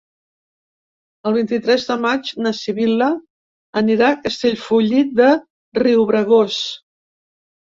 El vint-i-tres de maig na Sibil·la anirà a Castellfollit de Riubregós.